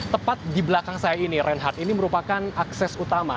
tepat di belakang saya ini reinhardt ini merupakan akses utama